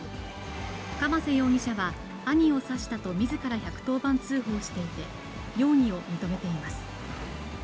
鎌瀬容疑者は、兄を刺したとみずから１１０番通報していて、容疑を認めています。